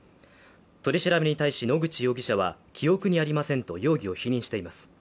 取り調べに対し野口容疑者は記憶にありませんと容疑を否認しています。